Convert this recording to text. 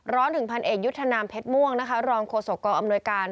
ถึงพันเอกยุทธนามเพชรม่วงนะคะรองโฆษกองอำนวยการ